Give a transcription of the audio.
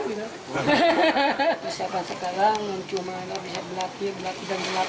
siapa sekarang cuma bisa berlatih dan berlatih